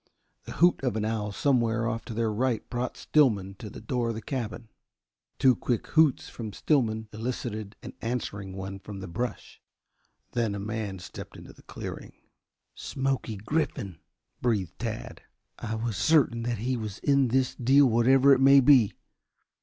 The hoot of an owl somewhere off to their right brought Stillman to the door of the cabin. Two quick hoots from Stillman elicited an answering one from the brush. Then a man stepped into the clearing. "Smoky Griffin," breathed Tad. "I was certain that he was in this deal, whatever it may be.